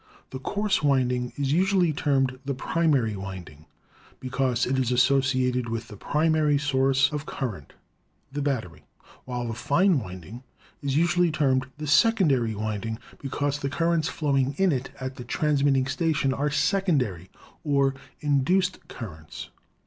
The coarse winding is usually termed the primary wind ing, because it is associated with the primary source of current, the battery; while the fine winding is usually termed the secondary winding, because the currents flow ing in it at the transmitting station are secondary, or induced currents.